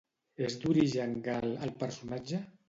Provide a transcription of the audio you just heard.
És d'origen gal el personatge?